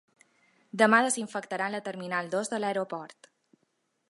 Demà desinfectaran la terminal dos de l’aeroport.